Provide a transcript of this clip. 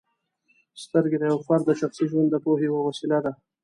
سترګې د یو فرد د شخصي ژوند د پوهې یوه وسیله ده.